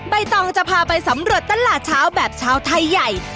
ใบตองจะพาไปสำรวจตลาดเช้าแบบชาวไทยใหญ่